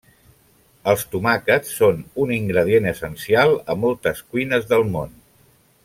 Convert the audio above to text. Els tomàquets són un ingredient essencial a moltes cuines del món.